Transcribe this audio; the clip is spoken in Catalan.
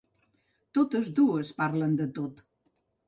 Totes dues parlen de tot.